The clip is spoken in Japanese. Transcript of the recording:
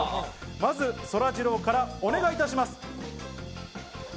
まずそらジローからお願いいたします。